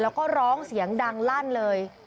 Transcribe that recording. แล้วก็ร้องเสียงดังลั่นเลย